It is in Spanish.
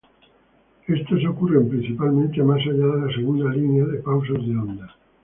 Estos ocurren principalmente más allá de la segunda línea de pausas de onda.